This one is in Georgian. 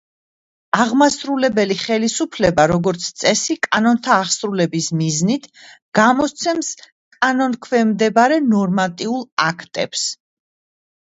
აღმასრულებელი ხელისუფლება, როგორც წესი კანონთა აღსრულების მიზნით, გამოსცემს კანონქვემდებარე ნორმატიულ აქტებს.